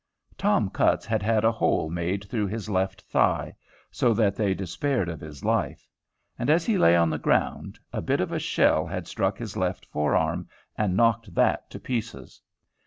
Tom Cutts had had a hole made through his left thigh, so that they despaired of his life. And, as he lay on the ground, a bit of a shell had struck his left forearm and knocked that to pieces.